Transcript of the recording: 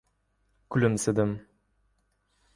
Kulimsidim.